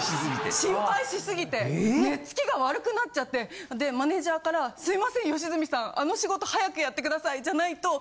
心配しすぎて寝つきが悪くなっちゃってでマネージャーから「すいません吉住さんあの仕事早くやってください。